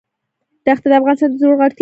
دښتې د افغانستان د زرغونتیا نښه ده.